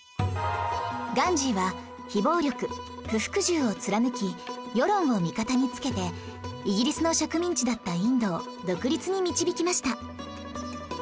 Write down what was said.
ガンジーは非暴力・不服従を貫き世論を味方につけてイギリスの植民地だったインドを独立に導きました